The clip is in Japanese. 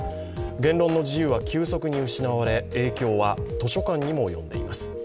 言論の自由は急速に失われ、影響は図書館にも及んでいます。